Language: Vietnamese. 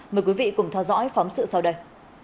mời quý vị cùng theo dõi phóng sự sau đây